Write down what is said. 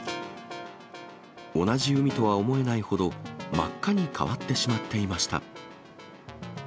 同じ海とは思えないほど真っ赤に変わってしまっていました。